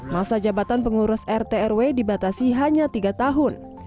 masa jabatan pengurus rt rw dibatasi hanya tiga tahun